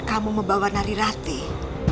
kamu membawa lari ratih